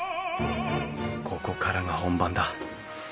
ここからが本番だ。